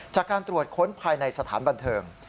จากการตรวจค้นภายในสถานบันเทิง